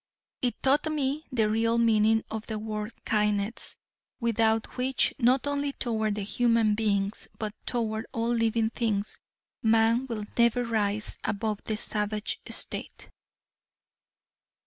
It taught me the real meaning of the word kindness, without which, not only toward human beings, but toward all living things, man will never rise above the savage state.